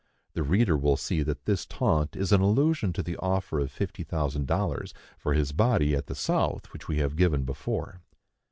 The reader will see that this taunt is an allusion to the offer of fifty thousand dollars for his body at the South which we have given before.